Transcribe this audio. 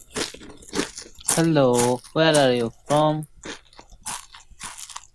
He is remarried and currently resides near Albuquerque, New Mexico.